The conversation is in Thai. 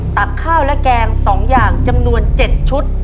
ข้าวและแกง๒อย่างจำนวน๗ชุด